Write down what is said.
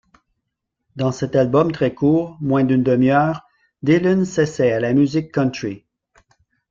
Dans cet album très court, moins d'une demi-heure, Dylan s’essaie à la musique country.